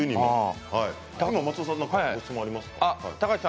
松尾さんご質問ありますか。